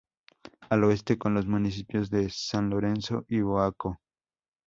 Al oeste con los municipios de San Lorenzo y Boaco.